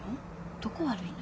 どこ悪いの？